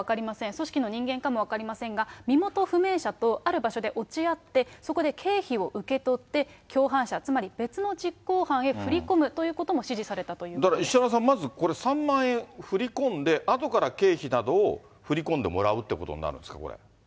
組織の人間かも分かりませんが、身元不明者とある場所で落ち合って、そこで経費を受け取って、共犯者、つまり別の実行犯へ振り込むということも指示されたということでだから石原さん、まずこれ、３万円振り込んで、あとから経費などを振り込んでもらうってことになるんですか？